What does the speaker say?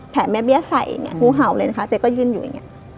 แผลแม่เบี้ยใสงูเห่าเลยนะคะเจ๊ก็ยื่นอยู่อย่างนี้